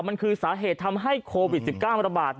มันคือสาเหตุทำให้โควิด๑๙ระบาด